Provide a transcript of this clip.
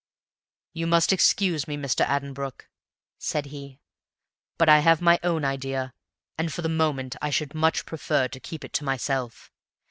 "You must excuse me, Mr. Addenbrooke," said he, "but I have my own idea, and for the moment I should much prefer to keep it to myself.